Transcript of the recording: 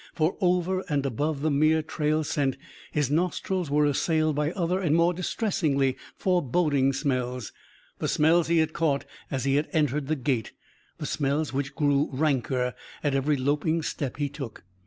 For, over and above the mere trail scent, his nostrils were assailed by other and more distressingly foreboding smells; the smells he had caught as he had entered the gate; the smells which grew ranker at every loping step he took.